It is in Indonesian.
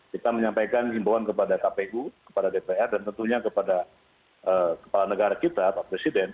kita menyampaikan imbauan kepada kpu kepada dpr dan tentunya kepada kepala negara kita pak presiden